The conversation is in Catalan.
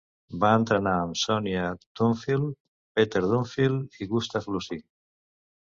Va entrenar amb Sonia Dunfield, Peter Dunfield i Gustav Lussi.